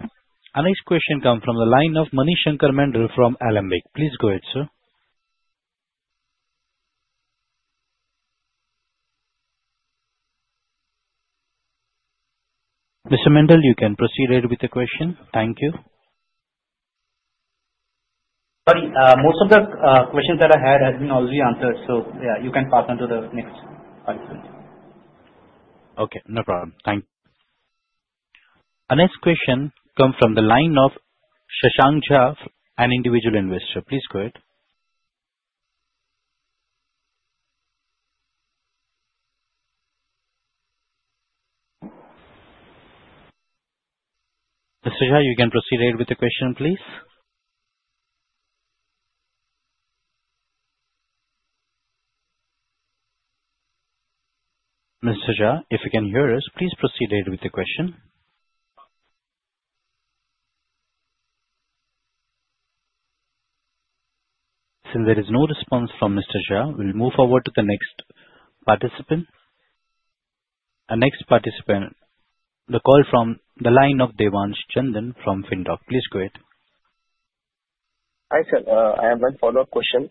Speaker 3: Our next question comes from the line of Manishankar Mendel from Alim Bake. Please go ahead, sir. Mr. Mendel, you can proceed ahead with the question. Thank you. Sorry. Most of the questions that I had have been already answered. Yeah, you can pass on to the next question. Okay. No problem. Thank you. Our next question comes from the line of Shashank Jaff, an individual investor. Please go ahead. Mr. Jaff, you can proceed ahead with the question, please. Mr. Jha, if you can hear us, please proceed ahead with the question. Since there is no response from Mr. Jha, we'll move forward to the next participant. Our next participant, the call from the line of Devansh Chandan from Findor. Please go ahead. Hi, sir. I have one follow-up question.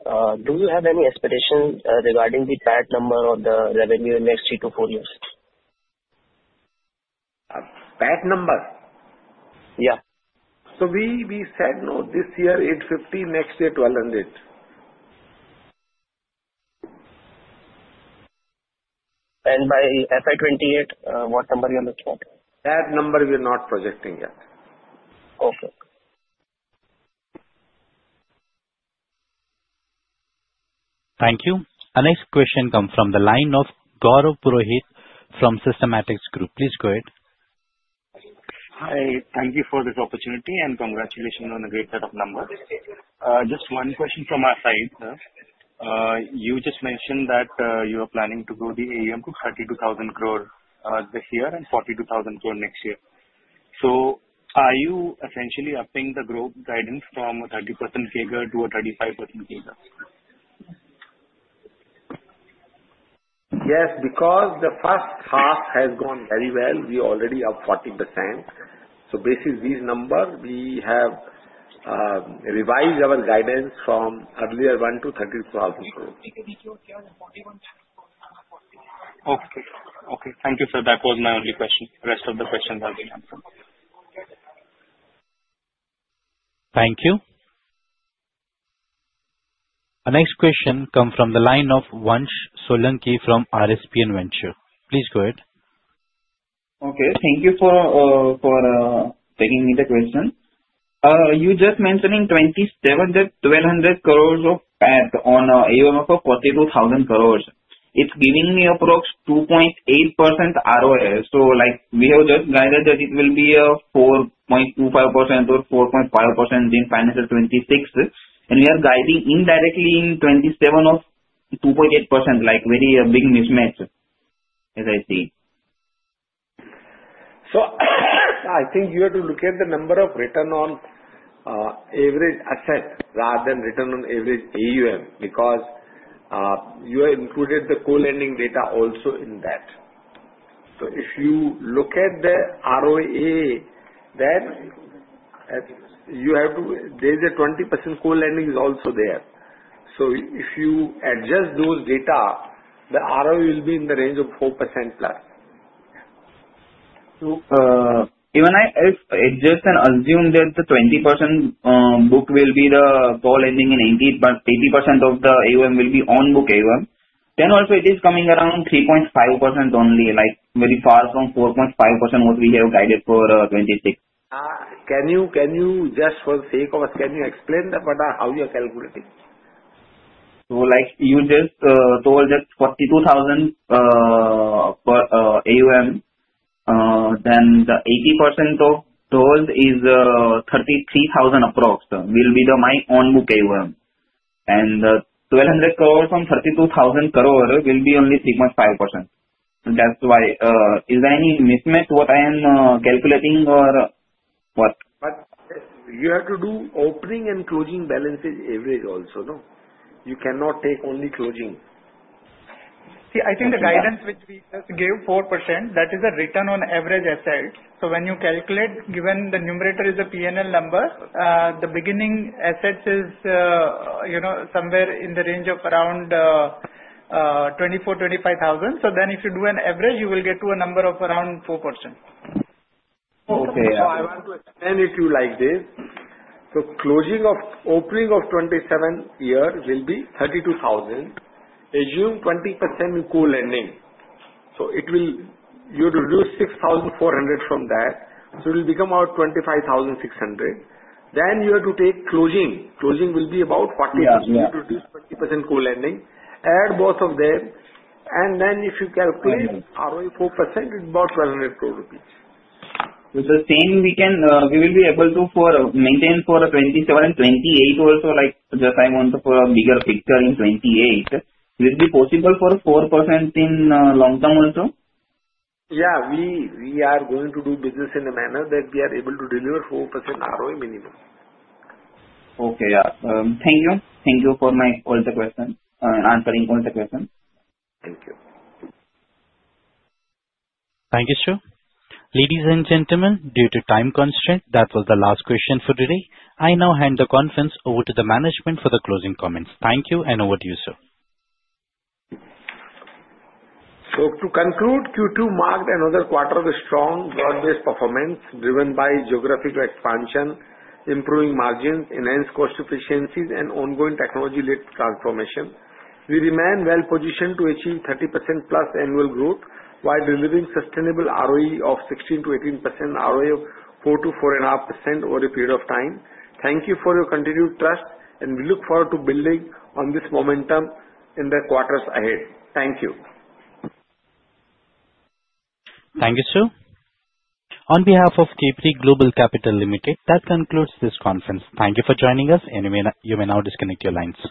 Speaker 3: Do you have any expectation regarding the PAT number or the revenue in the next three to four years? PAT number? Yeah. So we said this year 850, next year 1,200. And by FY2028, what number are you looking at? That number we are not projecting yet. Okay. Thank you. Our next question comes from the line of Gaurav Purohit from Systematics Group. Please go ahead. Hi. Thank you for this opportunity and congratulations on a great set of numbers. Just one question from our side. You just mentioned that you are planning to grow the AUM to 32,000 crore this year and 42,000 crore next year. Are you essentially upping the growth guidance from the 30% figure to a 35% figure? Yes. Because the first half has gone very well. We already have 40%. Basically, these numbers, we have revised our guidance from earlier one to 32,000 crore. Okay. Okay. Thank you, sir. That was my only question. The rest of the questions have been answered. Thank you. Our next question comes from the line of Vansh Solanki from RSPN Venture. Please go ahead. Okay. Thank you for taking me the question. You just mentioned in 2027 that 1,200 crore of PAT on AUM of 42,000 crore. It is giving me approximately 2.8% ROI. We have just guided that it will be 4.25% or 4.5% in financial 2026. We are guiding indirectly in 2027 of 2.8%, like very a big mismatch, as I see. I think you have to look at the number of return on average asset rather than return on average AUM because you have included the co-lending data also in that. If you look at the ROA, then there is a 20% co-lending also there. If you adjust those data, the ROA will be in the range of 4% plus. If I adjust and assume that the 20% book will be the co-lending and 80% of the AUM will be on-book AUM, then also it is coming around 3.5% only, very far from 4.5% what we have guided for 2026. Can you, just for the sake of us, can you explain how you are calculating? You just told that 42,000 crore for AUM, then the 80% of told is 33,000 crore approximately will be my on-book AUM. And the 1,200 crore from 32,000 crore will be only 3.5%. That's why. Is there any mismatch what I am calculating or what? You have to do opening and closing balances average also, no? You cannot take only closing. I think the guidance which we just gave, 4%, that is a return on average asset. When you calculate, given the numerator is the P&L number, the beginning asset is somewhere in the range of around 24,000 crore, 25,000 crore. If you do an average, you will get to a number of around 4%. Okay. I want to explain it to you like this. Closing of opening of 2027 year will be 32,000 crore. Assume 20% co-lending. You have to do 6,400 crore from that. So it will become about 25,600. Then you have to take closing. Closing will be about 40%. You have to do 20% co-lending. Add both of them. And then if you calculate ROA 4%, it's about 1,200 crore rupees. With the same, we will be able to maintain for 2027, 2028 also. Just I want to put a bigger picture in 2028. Will it be possible for 4% in long term also? Yeah. We are going to do business in a manner that we are able to deliver 4% ROA minimum. Okay. Yeah. Thank you. Thank you for all the questions and answering all the questions. Thank you. Thank you, sir. Ladies and gentlemen, due to time constraint, that was the last question for today. I now hand the conference over to the management for the closing comments. Thank you, and over to you, sir. To conclude, Q2 marked another quarter of a strong broad-based performance driven by geographical expansion, improving margins, enhanced cost efficiencies, and ongoing technology-led transformation. We remain well-positioned to achieve 30% plus annual growth while delivering sustainable ROE of 16-18%, ROA of 4-4.5% over a period of time. Thank you for your continued trust, and we look forward to building on this momentum in the quarters ahead. Thank you. Thank you, sir. On behalf of Capri Global Capital Limited, that concludes this conference. Thank you for joining us, and you may now disconnect your lines.